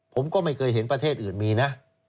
ผมก็ไม่เคยเห็นประเทศอื่นมีนะ